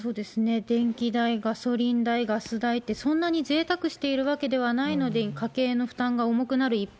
電気代、ガソリン代、ガス代って、そんなにぜいたくしているわけではないのに、家計の負担が重くなる一方。